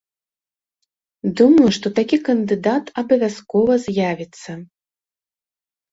Думаю, што такі кандыдат абавязкова з'явіцца.